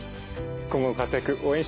今後の活躍応援しています。